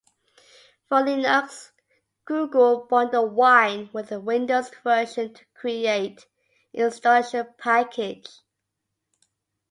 For Linux, Google bundled Wine with the Windows version to create an installation package.